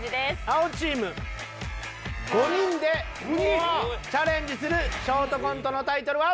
青チーム５人でチャレンジするショートコントのタイトルは。